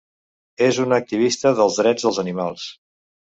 És una activista dels drets dels animals.